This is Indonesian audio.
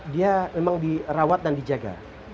dia memang dirawat dan dijaga